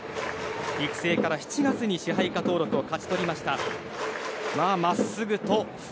育成から７月に支配下登録を勝ち取りました。